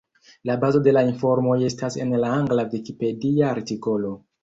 La bazo de la informoj estas en la angla vikipedia artikolo.